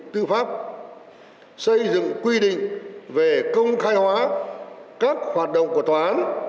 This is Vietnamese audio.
tư pháp xây dựng quy định về công khai hóa các hoạt động của tòa án